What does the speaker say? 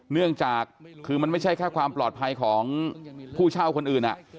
เนื่องจากคือมันไม่ใช่แค่ความปลอดภัยของผู้เช่าคนอื่น